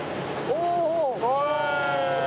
おお！